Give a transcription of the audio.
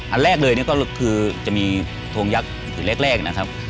อันแรกเลยก็คือจะมีทงยักษ์อย่างแรกนะครับ